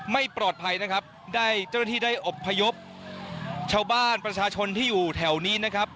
ไม่ปลอดภัยนะครับได้เจ้าหน้าที่ได้อบพยพชาวบ้านประชาชนที่อยู่แถวนี้นะครับ